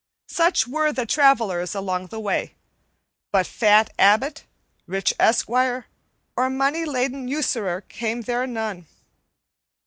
Such were the travelers along the way; but fat abbot, rich esquire, or money laden usurer came there none.